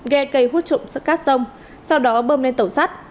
ghe cây hút trụm sắt cát sông sau đó bơm lên tàu sắt